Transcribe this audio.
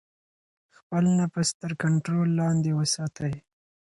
خپل نفس تر کنټرول لاندې وساتئ.